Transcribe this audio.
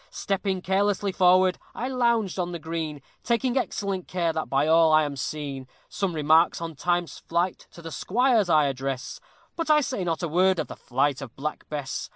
Stepping carelessly forward, I lounge on the green, Taking excellent care that by all I am seen; Some remarks on time's flight to the squires I address, But I say not a word of the flight of Black Bess.